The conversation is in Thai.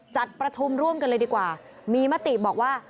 จัดประชุมร่วมกันเลยดีกว่ามีมติบอกว่า